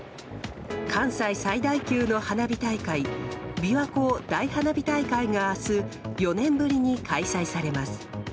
関西最大級の花火大会びわ湖大花火大会が明日、４年ぶりに開催されます。